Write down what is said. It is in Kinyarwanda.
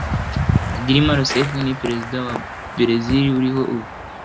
Dilma Rousseff ni Perezida wa Berezile uriho ubu.